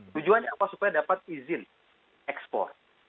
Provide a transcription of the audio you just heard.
tujuannya apa supaya dapat izin ekspor